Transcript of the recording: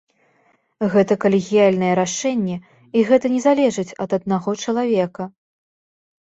Гэта калегіяльнае рашэнне, і гэта не залежыць ад аднаго чалавека.